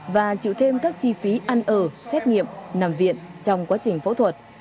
và chịu thêm các chi phí ăn ở xét nghiệm nằm viện trong quá trình phẫu thuật